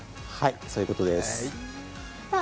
そういうことです。